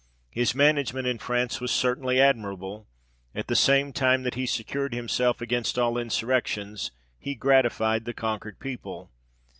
His management in France was certainly admirable : at the same time that he secured himself against all insurrections, he gratified the conquered people.